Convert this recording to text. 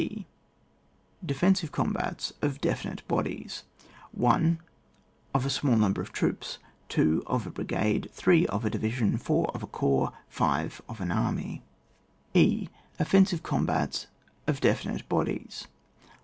D.— Defensive Combats of Definite Bodies. 1. Of a small number of troops. 2. Of a brigade. 3. Of a division. 4. Of a corps. 5. Of an army. 126 ON WAR. E. — Offensive Combats of Definite Bodies.